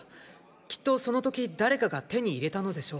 きっとその時誰かが手に入れたのでしょう。